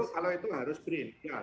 kalau itu harus bri